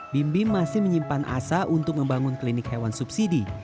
bim bim masih menyimpan asa untuk membangun klinik hewan subsidi